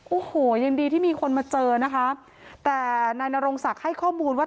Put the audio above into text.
โอ้โหยังดีที่มีคนมาเจอนะคะแต่นายนรงศักดิ์ให้ข้อมูลว่า